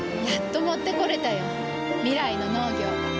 やっと持ってこれたよ。未来の農業。